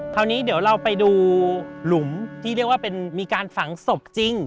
คราวนี้เดี๋ยวเราไปดูหลุมที่เรียกว่าเป็นมีการฝังศพจริง